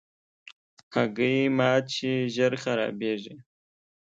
هګۍ مات شي، ژر خرابیږي.